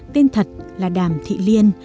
tên thật là đàm thị liên